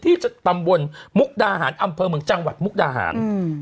ที่ตำบลมุกดาหารอำเภอเมืองจังหวัดมุกดาหาร